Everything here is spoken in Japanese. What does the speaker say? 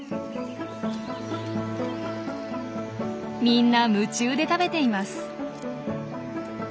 みんな夢中で食べています。